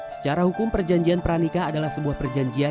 secara hukum perjanjian pernikah adalah sebuah perjanjian